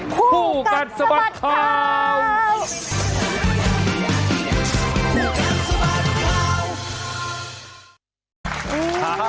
ผู้กันสมัครข่าวผู้กันสมัครข่าว